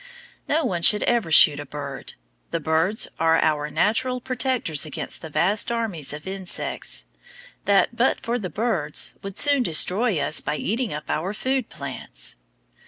No one should ever shoot a bird. The birds are our natural protectors against the vast armies of insects, that, but for the birds, would soon destroy us by eating up our food plants.